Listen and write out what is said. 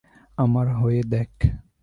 আমার হয়ে দেখ।